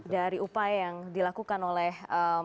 dari upaya yang dilakukan oleh